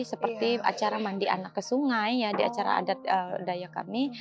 seperti acara mandi anak ke sungai ya di acara adat daya kami